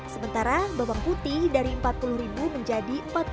sementara bawang putih dari empat puluh menjadi